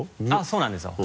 そうなんですよ